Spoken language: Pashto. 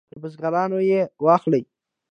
له بزګرانو یې واخلي.